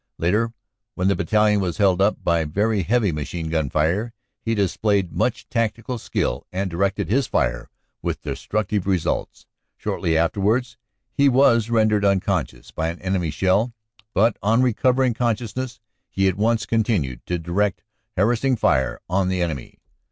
Later, when the battalion was held up by very heavy machine gun fire, he displayed much tactical skill and directed his fire with destructive results. Shortly afterwards he was rendered unconscious by an enemy shell, but on recover ing consciousness he at once continued to direct harassing fire on the enemy.